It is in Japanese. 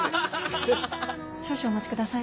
少々お待ちください。